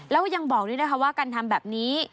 แล้วยังบอกด้วยนะคะว่าการทำแบบนี้